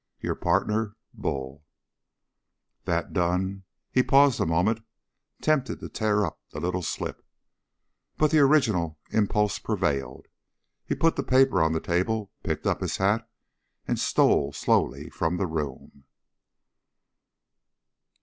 _ Your pardner, BULL That done, he paused a moment, tempted to tear up the little slip. But the original impulse prevailed. He put the paper on the table, picked up his hat, and stole slowly from the room.